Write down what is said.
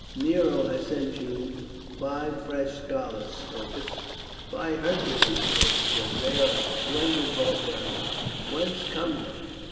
"Nero has sent you five fresh scholars, Scopus." "By Hercules," Scopus said, "they are splendid barbarians! Whence come they?"